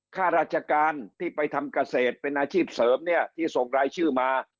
ข้าราชการที่ไปทำเกษตรเป็นอาชีพเสริมเนี่ยที่ส่งรายชื่อมา